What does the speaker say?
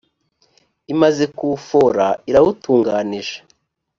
imaze kuwufora irawutunganije.